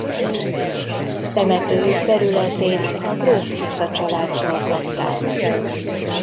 Temetőjük területét a gróf Tisza családtól kapták.